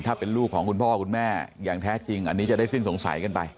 ถ้าเป็นลูกของคุณพ่อคุณแม่อย่างแท้จริงอันนี้จะได้สิ้นสงสัยกันไป